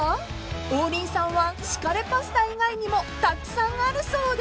［王林さんは敷かれパスタ以外にもたくさんあるそうで］